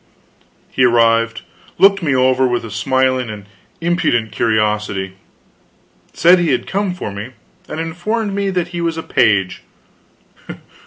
He arrived, looked me over with a smiling and impudent curiosity; said he had come for me, and informed me that he was a page.